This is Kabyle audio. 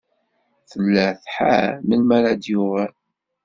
Tella tḥar melmi ara d-yuɣal.